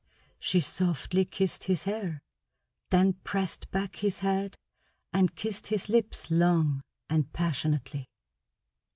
She softly kissed his hair, then pressed back his head and kissed his lips long and passionately.